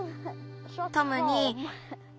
トムに。